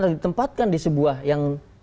ditempatkan di sebuah yang